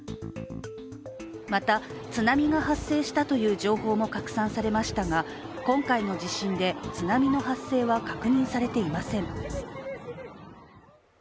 また、津波が発生したという情報も拡散されましたが今回の地震で津波の発生は確認されていません